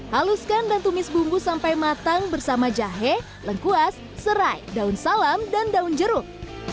haluskan dan tumis bumbu sampai matang bersama jahe lengkuas serai daun salam dan daun jeruk